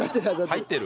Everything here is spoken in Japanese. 入ってる？